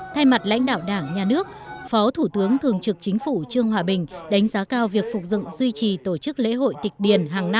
thay mặt lãnh đạo đảng nhà nước phó thủ tướng thường trực chính phủ trương hòa bình đánh giá cao việc phục dựng duy trì tổ chức lễ hội tịch điền hàng